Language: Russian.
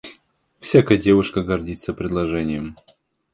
Всякая девушка гордится предложением.